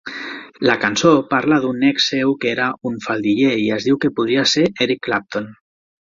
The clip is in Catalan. La cançó parla d'un ex seu que era un faldiller i es diu que podria ser Eric Clapton.